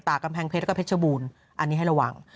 กำแพงเพชรแล้วก็เพชรบูรณ์อันนี้ให้ระวัง